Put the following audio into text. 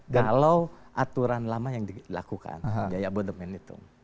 kalau aturan lama yang dilakukan biaya abodemen itu